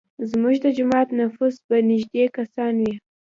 زموږ د جومات نفوس به نیږدی کسان وي.